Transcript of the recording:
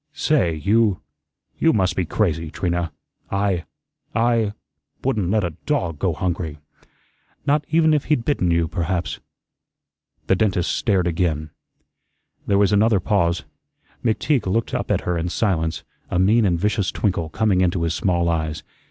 "Say, you you must be crazy, Trina. I I wouldn't let a DOG go hungry." "Not even if he'd bitten you, perhaps." The dentist stared again. There was another pause. McTeague looked up at her in silence, a mean and vicious twinkle coming into his small eyes.